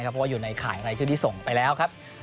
เพราะว่าอยู่ในข่ายรายชื่อที่ส่งไปแล้วครับ